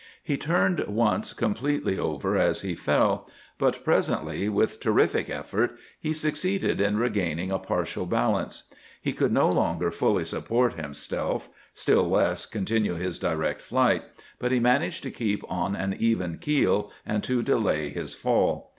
He turned once completely over as he fell. But presently, with terrific effort, he succeeded in regaining a partial balance. He could no longer fully support himself, still less continue his direct flight; but he managed to keep on an even keel and to delay his fall.